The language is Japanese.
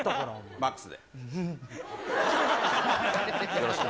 マックスで。